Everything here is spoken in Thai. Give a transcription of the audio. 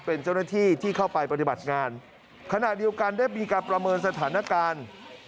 เป็นเจ้าหน้าที่ที่เข้าไปปฏิบัติงานขณะเดียวกันได้มีการประเมินสถานการณ์